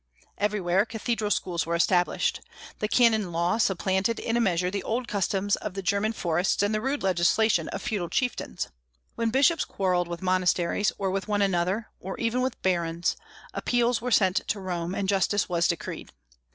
Everywhere cathedral schools were established. The canon law supplanted in a measure the old customs of the German forests and the rude legislation of feudal chieftains. When bishops quarrelled with monasteries or with one another, or even with barons, appeals were sent to Rome, and justice was decreed.